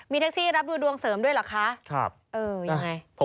แท็กซี่รับดูดวงเสริมด้วยเหรอคะครับเออยังไง